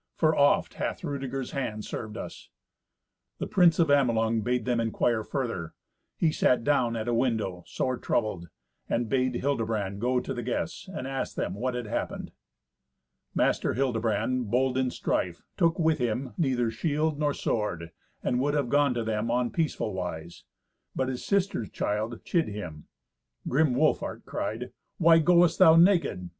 For oft hath Rudeger's hand served us." The prince of Amelung bade them inquire further. He sat down at a window sore troubled, and bade Hildebrand go to the guests, and ask them what had happened. Master Hildebrand, bold in strife, took with him neither shield nor sword, and would have gone to them on peaceful wise. But his sister's child chid him. Grim Wolfhart cried, "Why goest thou naked?